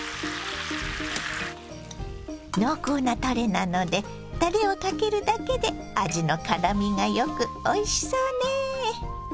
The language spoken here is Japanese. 濃厚なたれなのでたれをかけるだけで味のからみが良くおいしそうね。